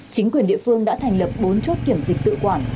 chính quyền địa phương đã thành lập bốn chốt kiểm dịch tự quản